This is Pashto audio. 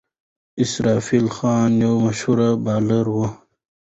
اسرافیل خان یو مشهور بالر دئ.